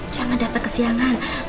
jangan datang kesiangan